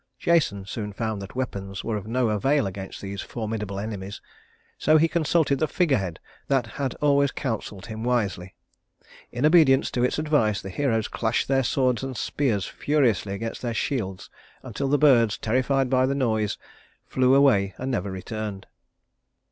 Jason soon found that weapons were of no avail against these formidable enemies, so he consulted the figurehead that had always counseled him wisely. In obedience to its advice the heroes clashed their swords and spears furiously against their shields until the birds, terrified by the noise, flew away and never returned.